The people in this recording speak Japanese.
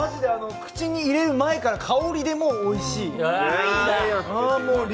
口に入れる前から香りで、もうおいしい。